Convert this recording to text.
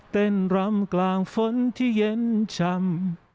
รำกลางฝนที่เย็นช่ำ